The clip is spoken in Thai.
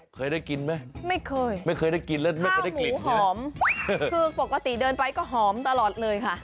เคยได้กินไหมไม่เคยข้าวหมูหอมคือปกติเดินไปก็หอมตลอดเลยค่ะ